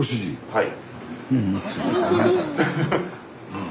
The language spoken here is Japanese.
はい。